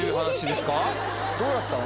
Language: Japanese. どうだったの？